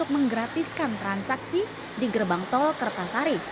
menggratiskan transaksi di gerbang tol kertasari